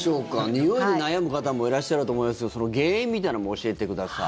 においで悩む方もいらっしゃると思いますがその原因みたいなのも教えてください。